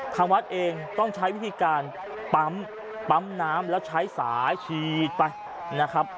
ทางวัดเองต้องใช้วิธีการปั๊มปั๊มน้ำแล้วใช้สายฉีดไปนะครับ